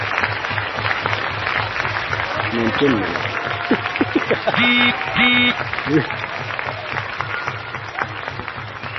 He is also known for his random acts of kindness.